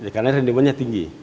karena rendemennya tinggi